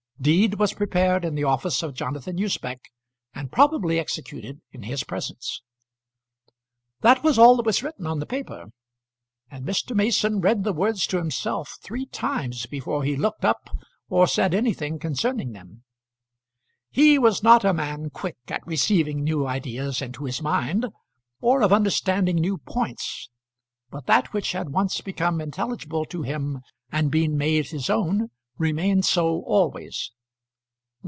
Deed was prepared in the office of Jonathan Usbech, and probably executed in his presence. That was all that was written on the paper, and Mr. Mason read the words to himself three times before he looked up, or said anything concerning them. He was not a man quick at receiving new ideas into his mind, or of understanding new points; but that which had once become intelligible to him and been made his own, remained so always.